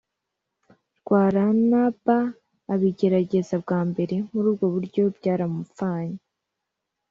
Rwaranba abigerageza bwa mbere muri ubwo buryo byaramupfanye.